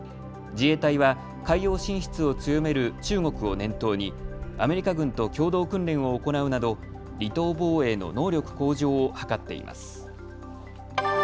自衛隊は海洋進出を強める中国を念頭にアメリカ軍と共同訓練を行うなど離島防衛の能力向上を図っています。